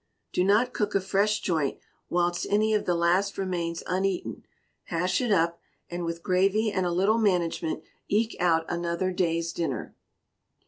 Do not cook a fresh joint whilst any of the last remains uneaten hash it up, and with gravy and a little management, eke out another day's dinner.